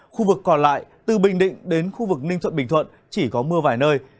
khu vực còn lại từ bình định đến khu vực ninh thuận bình thuận chỉ có mưa vài nơi